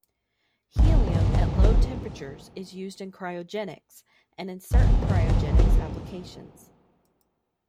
Helium at low temperatures is used in cryogenics, and in certain cryogenics applications.